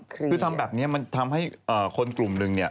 คือทำแบบนี้มันทำให้คนกลุ่มหนึ่งเนี่ย